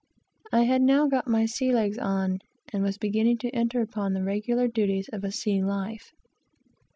I had now got my sea legs on, and was beginning to enter upon the regular duties of a sea life.